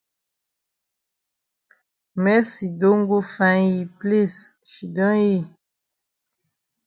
Mercy don go find yi place shidon yi.